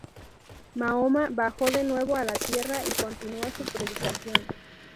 Mahoma bajó de nuevo a la Tierra y continuó su predicación.